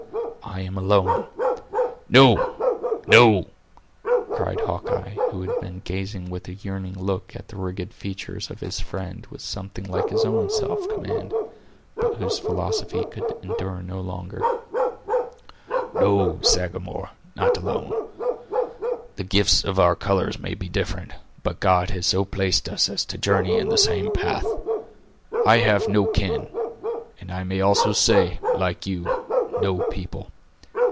I am alone—" "No, no," cried Hawkeye, who had been gazing with a yearning look at the rigid features of his friend, with something like his own self command, but whose philosophy could endure no longer; "no, Sagamore, not alone. The gifts of our colors may be different, but God has so placed us as to journey in the same path. I have no kin, and I may also say, like you, no people.